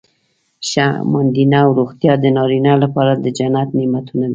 ښه ماندینه او روغتیا د نارینه لپاره د جنت نعمتونه دي.